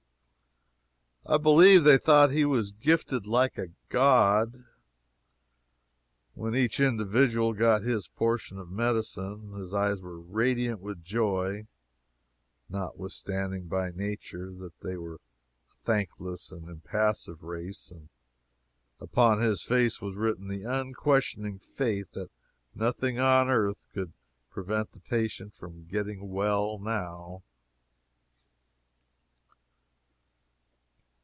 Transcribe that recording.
I believe they thought he was gifted like a god. When each individual got his portion of medicine, his eyes were radiant with joy notwithstanding by nature they are a thankless and impassive race and upon his face was written the unquestioning faith that nothing on earth could prevent the patient from getting well now.